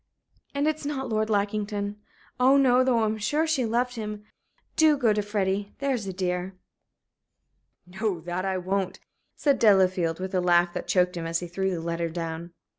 And it's not Lord Lackington. Oh no! though I'm sure she loved him. Do go to Freddie, there's a dear." "No, that I won't!" said Delafield, with a laugh that choked him, as he threw the letter down.